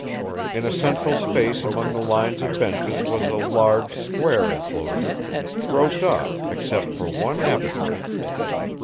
In a central space among the lines of benches was a large square enclosure, roped off except for one aperture.